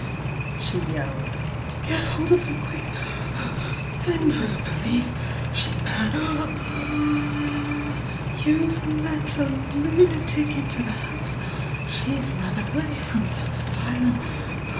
she yelled. Get hold of her quick ! Send for the police ! She's mad ! Aa aah ! You've let a lunatic into the house! sues run away from some asylum!